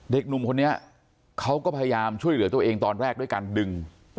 เด็กหนุ่มคนนี้เขาก็พยายามช่วยเหลือตัวเองตอนแรกด้วยการดึง